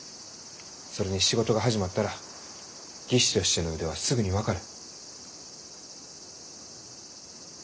それに仕事が始まったら技師としての腕はすぐに分かる。